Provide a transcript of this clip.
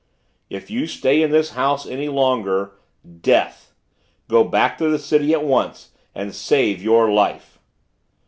If you stay in this house any longer DEATH. Go back to the city at once and save your life.